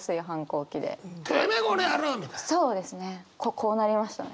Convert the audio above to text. こうなりましたね。